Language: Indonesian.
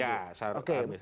ya saya harus